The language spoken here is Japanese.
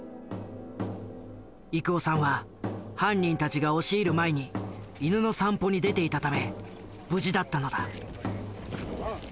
郁男さんは犯人たちが押し入る前に犬の散歩に出ていたため無事だったのだ。